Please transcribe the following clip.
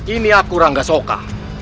ini aku ranggasoka